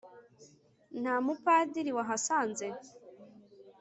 Nta Mupadiri wahasanze?